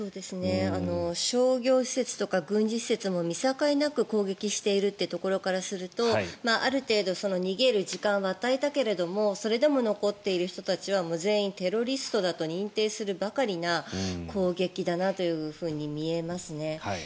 商業施設とか軍事施設も見境なく攻撃しているというところからするとある程度逃げる時間は与えたけれどそれでも残っている人たちは全員テロリストだと認定するばかりな攻撃だなと見えますね。